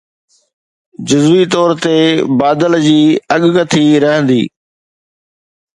جزوي طور تي بادل جي اڳڪٿي رهندي